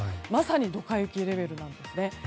まさにドカ雪レベルなんですね。